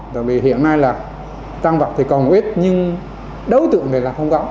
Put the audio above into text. tại vì hiện nay là tăng vật thì còn một ít nhưng đấu tượng thì là không có